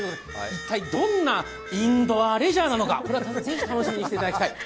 一体どんなインドアレジャーなのか、ぜひ楽しみにしていただきたい。